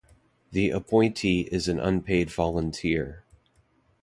The appointee is an unpaid volunteer.